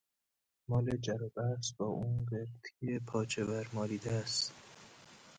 مال جر و بحث با اون قرتی پاچه ور مالیده اس